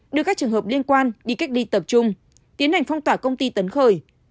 đưa các trường hợp liên quan đi cách ly tập trung tiến hành phong tỏa công ty tấn khởi